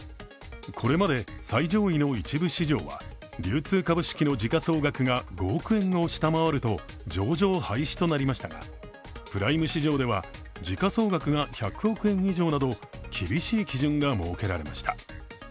これまで最上位の１部市場は流通株式の時価総額が５億円を下回ると上場廃止となりましたがプライム市場では時価総額が１００億円以上など厳しい基準が設けられました。